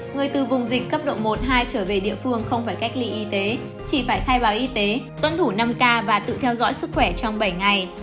người từ vùng dịch cấp độ một hai trở về địa phương không phải cách ly y tế chỉ phải khai báo y tế tuân thủ năm k và tự theo dõi sức khỏe trong bảy ngày